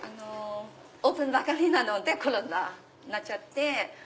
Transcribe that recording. オープンばかりなのでコロナになっちゃって。